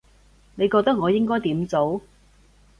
你覺得我應該點做